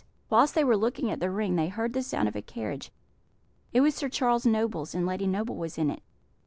Whilst they were looking at the ring they heard the sound of a carriage; it was Sir Charles Noble's, and Lady Noble was in it.